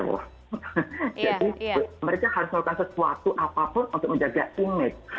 jadi mereka harus melakukan sesuatu apapun untuk menjaga image